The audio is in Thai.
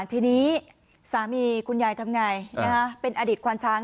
ทีนี้สามีคุณยายทำงัยเป็นอดิษฐ์ควัญช้าง